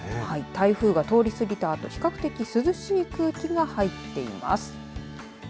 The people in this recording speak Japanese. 台風が通り過ぎたあと比較的涼しい空気が入っています。